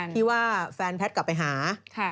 ที่ว่าแฟนแพทย์กลับไปหา